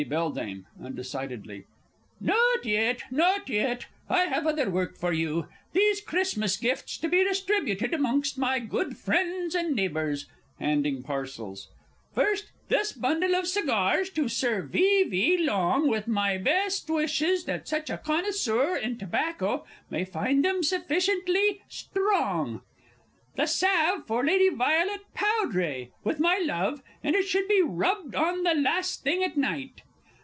Lady B. (undecidedly). Not now not yet; I have other work for you. These Christmas gifts, to be distributed amongst my good friends and neighbours (handing parcels). First, this bundle of cigars to Sir Vevey Long with my best wishes that such a connoisseur in tobacco may find them sufficiently strong. The salve for Lady Violet Powdray, with my love, and it should be rubbed on the last thing at night.